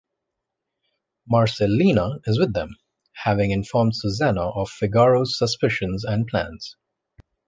Marcellina is with them, having informed Susanna of Figaro's suspicions and plans.